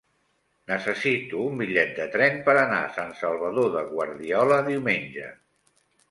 Necessito un bitllet de tren per anar a Sant Salvador de Guardiola diumenge.